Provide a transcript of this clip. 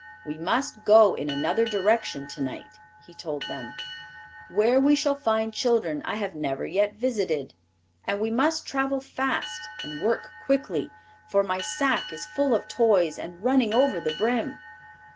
"We must go in another direction to night," he told them, "where we shall find children I have never yet visited. And we must travel fast and work quickly, for my sack is full of toys and running over the brim!"